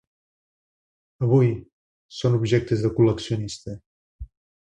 Avui són objectes de col·leccionista.